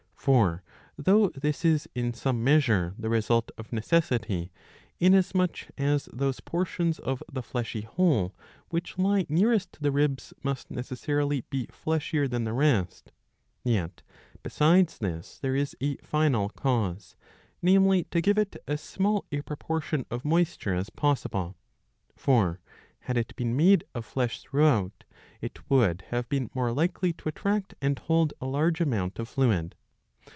For though this is in some measure the result of necessity, inasmuch, as those portions of the fleshy whole which lie nearest to the ribs must necessarily be fleshier than the rest,'' yet besides this there is a final cause, namely to give it as small a proportion of moisture as possible ; for, had it been made of flesh throughout, it would have been more likely to attract and hold a large amount of fluid.